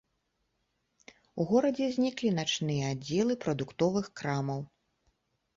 У горадзе зніклі начныя аддзелы прадуктовых крамаў.